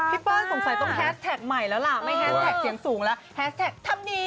เปิ้ลสงสัยต้องแฮสแท็กใหม่แล้วล่ะไม่แฮสแท็กเสียงสูงแล้วแฮสแท็กทำดี